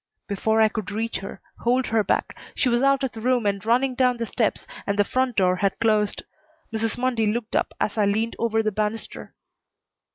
Before I could reach her, hold her back, she was out of the room and running down the steps and the front door had closed. Mrs. Mundy looked up as I leaned over the banister.